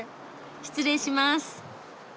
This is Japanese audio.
失礼します。